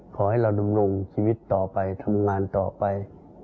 ขอให้เราดำรงชีวิตต่อไปทำงานต่อไป